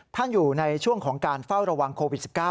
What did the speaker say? อยู่ในช่วงของการเฝ้าระวังโควิด๑๙